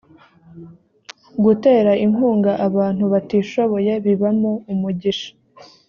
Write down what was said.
gutera inkunga abantu batishoboye bibamo umugisha